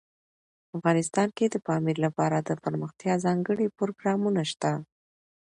افغانستان کې د پامیر لپاره دپرمختیا ځانګړي پروګرامونه شته.